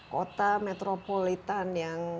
kota metropolitan yang